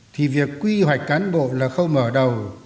thì việc quy hoạch cán bộ là khâu mở đầu